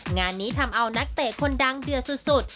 งานนี้ทำเอานักเตะคนดังเดือดสุด